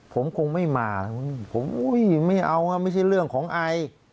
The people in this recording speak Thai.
ผมคงไม่มาผมอุ้ยไม่เอาไม่ใช่เรื่องของไอ